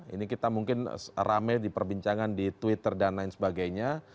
ini kita mungkin rame di perbincangan di twitter dan lain sebagainya